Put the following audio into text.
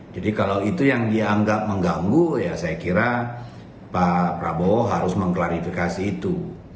jadi kalau itu yang dianggap mengganggu ya saya kira pak prabowo harus mengklarifikasi itu